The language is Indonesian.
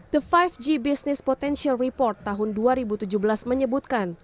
the lima g business potential report tahun dua ribu tujuh belas menyebutkan